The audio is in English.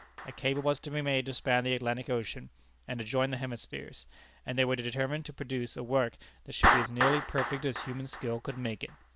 A cable was to be made to span the Atlantic Ocean, and to join the hemispheres; and they were determined to produce a work that should be as nearly perfect as human skill could make it.